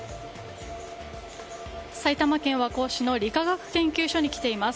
埼玉県和光市の理化学研究所に来ています。